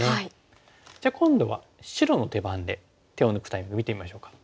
じゃあ今度は白の手番で手を抜くタイミング見てみましょうか。